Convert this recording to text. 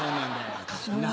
おかしいな。